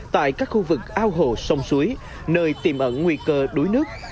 tại các khu vực ao hồ sông suối nơi tiềm ẩn nguy cơ đuối nước